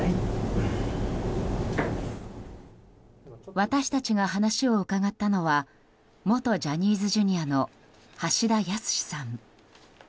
私たちが話を伺ったのは元ジャニーズＪｒ．の橋田康さん。